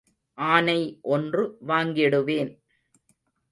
ஆனை ஒன்று வாங்கிடுவேன்.